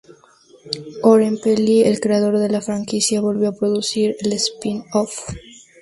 Oren Peli, el creador de la franquicia, volvió a producir el spin-off.